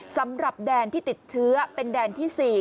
สำหรับแดนที่ติดเชื้อเป็นแดนที่๔